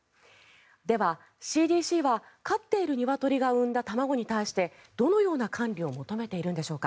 では、ＣＤＣは飼っているニワトリが生んだ卵に対してどのような管理を求めているんでしょうか。